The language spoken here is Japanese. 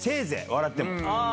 笑っても。